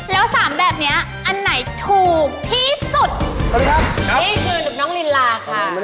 แล้วสามแบบนี้อันไหนถูกที่สุด